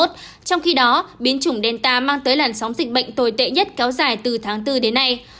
trong khi đó biến chủng delta mang tới làn sóng dịch bệnh tồi tệ nhất kéo dài từ tháng bốn đến nay